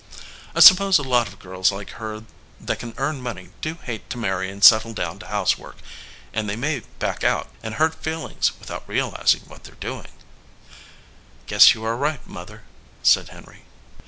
"I suppose a lot of girls like her that can earn money do hate to marry and settle down to house work, and they may back out and hurt feelings without realizing what they re doing." 241 EDGEWATER PEOPLE "Guess you are right, Mother," said Henry.